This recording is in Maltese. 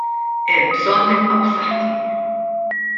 Hemm bżonn nibqa' b'saħħti.